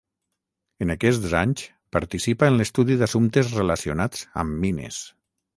En aquests anys participa en l'estudi d'assumptes relacionats amb mines.